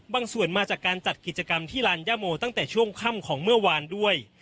ส่วนมาจากการจัดกิจกรรมที่ลานย่าโมตั้งแต่ช่วงค่ำของเมื่อวานด้วย